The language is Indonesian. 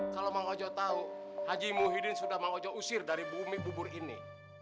kalau mau ngajau tahu haji muhyiddin sudah mau ngajau usir dari bumi bubur ini